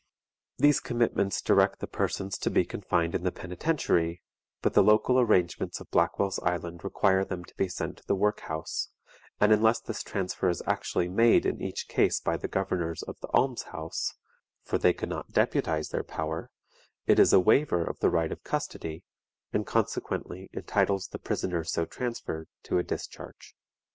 These commitments direct the persons to be confined in the Penitentiary, but the local arrangements of Blackwell's Island require them to be sent to the Work house, and unless this transfer is actually made in each case by the Governors of the Alms house for they can not deputize their power it is a waiver of the right of custody, and consequently entitles the prisoner so transferred to a discharge.